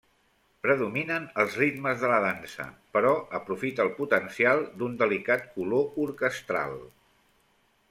Predominen els ritmes de la dansa, però aprofita el potencial d'un delicat color orquestral.